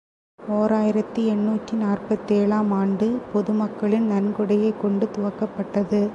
ஓர் ஆயிரத்து எண்ணூற்று நாற்பத்தேழு ஆம் ஆண்டு பொது மக்களின் நன்கொடையைக் கொண்டு துவக்கப்பட்டது.